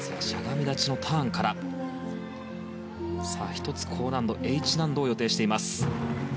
１つＨ難度を予定しています。